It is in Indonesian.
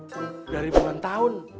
sudah ribuan tahun